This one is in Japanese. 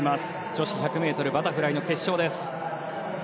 女子１００ｍバタフライの決勝です。